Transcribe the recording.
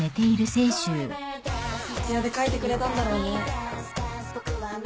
徹夜で書いてくれたんだろうね。